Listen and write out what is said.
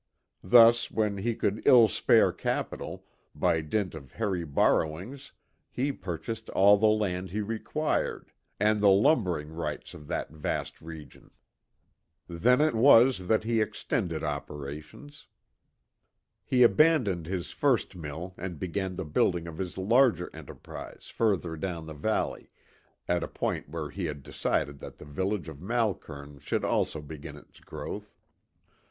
Thus, when he could ill spare capital, by dint of heavy borrowings he purchased all the land he required, and the "lumbering" rights of that vast region. Then it was that he extended operations. He abandoned his first mill and began the building of his larger enterprise further down the valley, at a point where he had decided that the village of Malkern should also begin its growth.